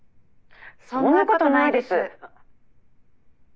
そんなことないです。